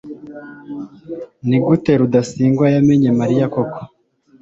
nigute rudasingwa yamenye mariya koko